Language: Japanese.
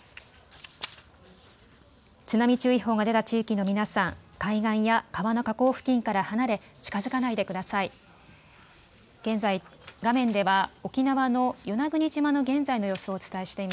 津波注意報が出た地域の皆さん、海岸や川の河口付近から離れ近づかないでください。